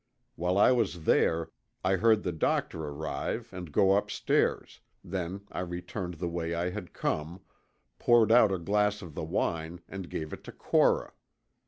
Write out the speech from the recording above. While I was there I heard the doctor arrive and go upstairs, then I returned the way I had come, poured out a glass of the wine and gave it to Cora.